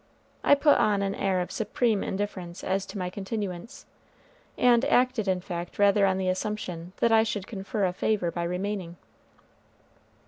I put on an air of supreme indifference as to my continuance, and acted in fact rather on the assumption that I should confer a favor by remaining.